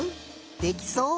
できそう？